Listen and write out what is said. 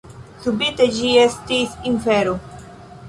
Subite ĝi estis infero.